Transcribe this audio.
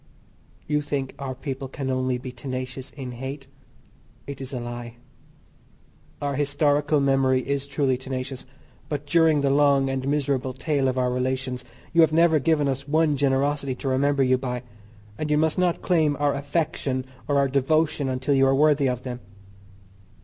You think our people can only be tenacious in hate it is a lie. Our historical memory is truly tenacious, but during the long and miserable tale of our relations you have never given us one generosity to remember you by, and you must not claim our affection or our devotion until you are worthy of them.